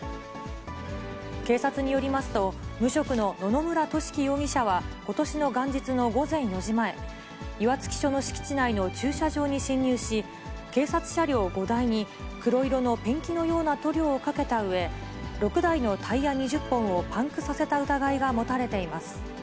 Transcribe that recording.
警察によりますと、無職の野々村俊毅容疑者はことしの元日の午前４時前、岩槻署の敷地内の駐車場に侵入し、警察車両５台に黒色のペンキのような塗料をかけたうえ、６台のタイヤ２０本をパンクさせた疑いが持たれています。